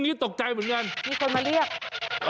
มีคนมาเรียก